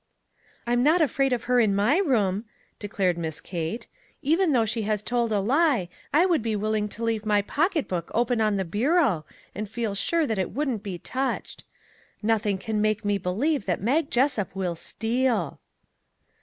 " I'm not afraid of her in my room," de clared Miss Kate ;" even though she has told a lie, I would be willing to leave my pocket book open on the bureau, and feel sure that it wouldn't be touched. Nothing can make me believe that Mag Jessup will steal."